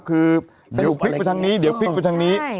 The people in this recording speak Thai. คือสรุปพลิกไปทางนี้เดี๋ยวพลิกไปทางนี้